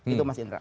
itu mas indra